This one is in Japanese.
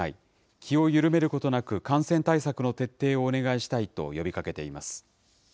気を緩めることなく感染対策の徹底をお願いしたいと呼びかけています。